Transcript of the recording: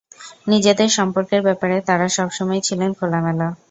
নিজেদের সম্পর্কের ব্যাপারে তাঁরা সব সময়ই ছিলেন খোলামেলা।